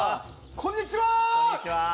こんにちは